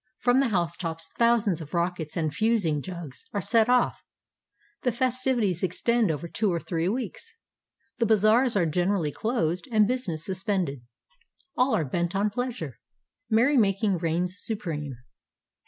From the housetops thousands of rockets and "fusing jugs" are set off. The festi\dties extend over two or three weeks. The bazaars are generally closed and business suspended. All are bent on pleasure. Merrymaking reigns supreme.